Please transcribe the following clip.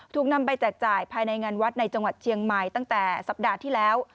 ถูกนำไปแจกจ่ายภายในงานวัดในจังหวัดเชียงใหม่ตั้งแต่สัปดาห์ที่แล้ว